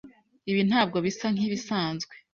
Ibi ntabwo bisa nkibisanzwe.